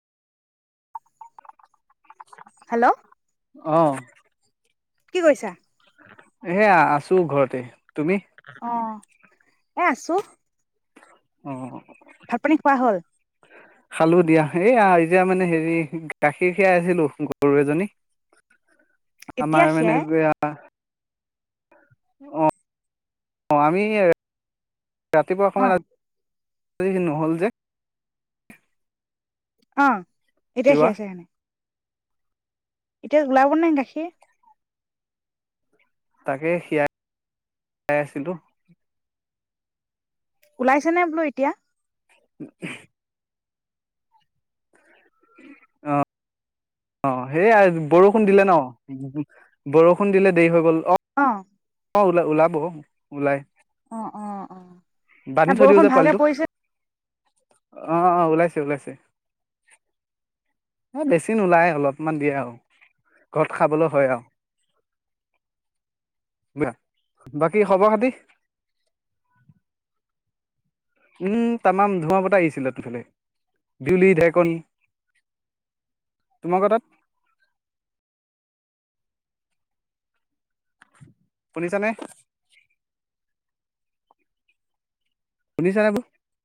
hello অ কি কৰিছা হেয়া আছোঁ ঘৰতে তুমি অ এ আছোঁ অ ভাত পানী খোৱা হ'ল খালো দিয়া এইয়া এতিয়া মানে হেৰি গাখীৰ খীয়াই আছিলো গৰু এজনী এতিয়া আমাৰ মানে খীৰাই গ অ অ আমি ৰাতিপুৱা অ সময়ত নহ'ল যে অ এতিয়া সি খিৰোৱা, আছে এনে এতিয়া ওলাব নাই গাখীৰ তাকে খিয়াই আছিলো ওলাইছেনে বোলো এতিয়া [unintelligible] আহ অ সেইয়াই বৰষুণ দিলে ন বৰষুণ দিলে দেৰি হৈ গ'ল অ অ ওলাই ওলাব ওলাই অ অ অ বৰষুণ ভালকে পৰিছে অহ অহ ওলাইছে ওলাইছে এ বেছি ন নুওলাই অলপমান দিয়ে আৰু ঘৰত খাবলৈ হয় আৰু বাকী খবৰ খাতি উম তামাম ধোঁমোহা বতাহ আহিছিলে তোৰ এইফালে বিজুলি ধ্ৰেকনি তোমালোকৰ তাত শুনিছা নে শুনিছা [unintelligible]